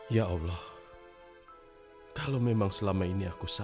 ya allah kalau memang selama ini aku sadar